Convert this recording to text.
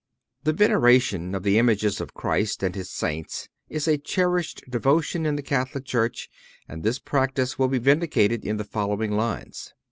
The veneration of the images of Christ and His Saints is a cherished devotion in the Catholic Church, and this practice will be vindicated in the following lines.